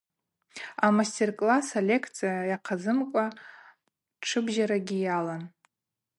Амастер-класс алекция йахъазымкӏва тшыбжьарагьи алан.